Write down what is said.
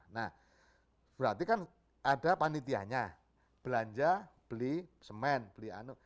nah berarti kan ada panitianya belanja beli semen beli anu